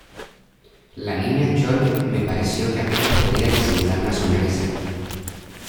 la Niña Chole me pareció que apenas podía disimular una sonrisa: